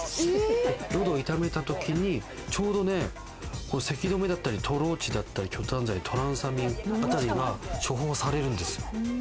喉を痛めた時にちょうどね、せき止めだったり、トローチだったり、去痰剤、トランサミンあたりが処方されるんですよ。